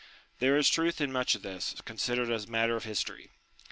There is truth in much of this, considered as matter of history.